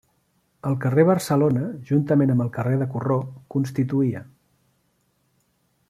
El carrer Barcelona, juntament amb el carrer de Corró, constituïa.